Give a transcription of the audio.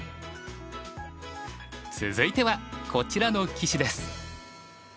続いてはこちらの棋士です。